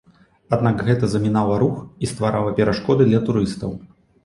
Аднак гэта замінала рух і стварала перашкоды для турыстаў.